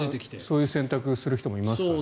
そういう選択をする人もいますね。